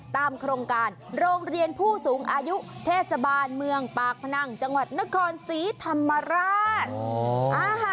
ตามโครงการโรงเรียนผู้สูงอายุเทศบาลเมืองปากพนังจังหวัดนครศรีธรรมราช